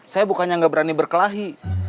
saya bukannya nggak berani berkelahi